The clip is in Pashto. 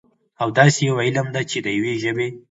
او داسي يوه علم ده، چې د يوي ژبې